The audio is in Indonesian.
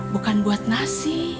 bukan buat nasi